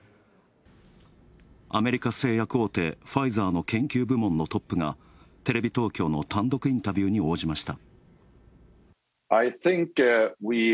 アメリカ製薬大手・ファイザーの研究部門のトップがテレビ東京の単独インタビューに応じました。